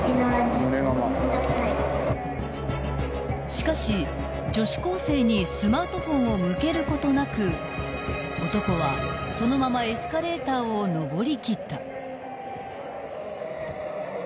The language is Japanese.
［しかし女子高生にスマートフォンを向けることなく男はそのままエスカレーターを上りきった］